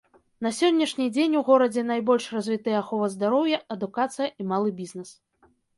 На сённяшні дзень у горадзе найбольш развітыя ахова здароўя, адукацыя і малы бізнес.